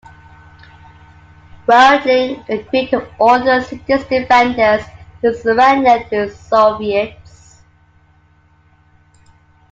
Weidling agreed to order the city's defenders to surrender to the Soviets.